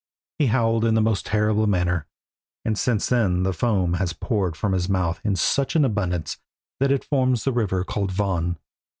He howled in the most terrible manner, and since then the foam has poured from his mouth in such abundance that it forms the river called Von.